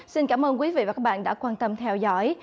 xin cảm ơn quý vị và các bạn đã quan tâm theo dõi